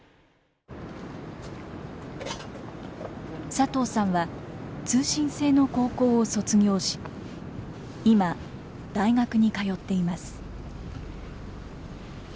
佐藤さんは通信制の高校を卒業し今大学に通っています。